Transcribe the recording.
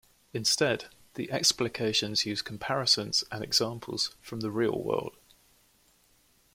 Instead, the explications use comparisons and examples from the real world.